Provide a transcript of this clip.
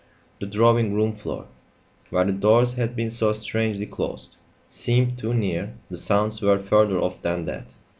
The drawing room floor, where the doors had been so strangely closed, seemed too near; the sounds were further off than that.